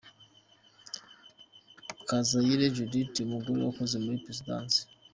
Kazayire Judith, umugore wakoze muri Perezidansi.